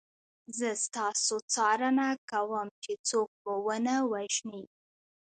زه ستاسو څارنه کوم چې څوک مو ونه وژني